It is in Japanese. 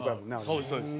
そうですそうです。